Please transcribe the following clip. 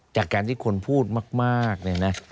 จากการที่คนพูดมากเนี่ยนะ